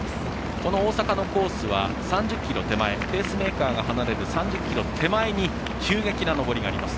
この大阪のコースはペースメーカーが離れる３０ｋｍ手前で急激な上りがあります。